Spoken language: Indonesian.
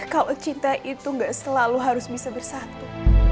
kalau cinta itu gak selalu harus bisa bersatu